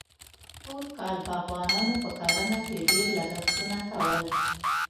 ټول کال باغوانانو په کرنه کې ډېر لګښتونه کول.